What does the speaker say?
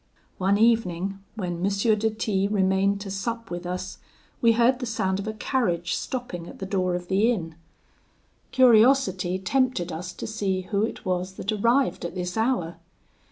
"One evening, when M. de T remained to sup with us, we heard the sound of a carriage stopping at the door of the inn. Curiosity tempted us to see who it was that arrived at this hour.